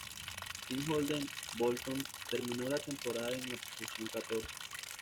Sin Holden, Bolton terminó la temporada en la posición catorce.